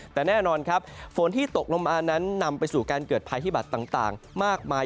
แต่แน่นอนครับฝนที่ตกลงมานั้นนำไปสู่การเกิดภัยพิบัตรต่างมากมาย